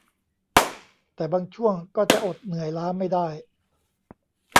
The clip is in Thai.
แต่บางช่วงก็จะอดเหนื่อยล้าไม่ได้